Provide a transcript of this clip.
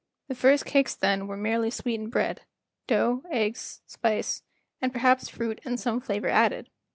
The first cakes then were merely sweetened bread—dough, eggs, spice, and perhaps fruit and some flavor added.